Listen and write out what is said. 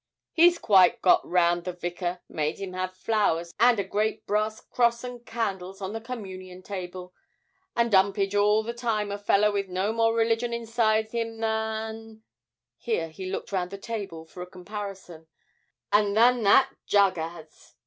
'He's quite got round the Vicar; made him have flowers and a great brass cross and candles on the Communion table, and 'Umpage all the time a feller with no more religion inside him than' here he looked round the table for a comparison 'ah, than that jug has!